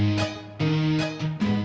tidak ada yang beli